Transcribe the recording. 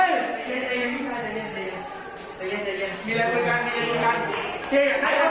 ครูกัดสบัติคร้าว